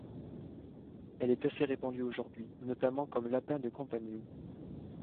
Elle est assez répandue aujourd'hui, notamment comme lapin de compagnie.